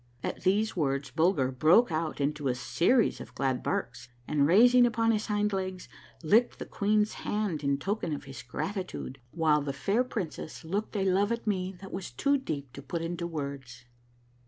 At these words Bulger broke out into a series of glad barks, and, raising upon his hind legs, licked the queen's hand in token of his grati tude, while the fair princess looked a love at me that was too deep to put into words.